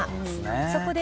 そこで。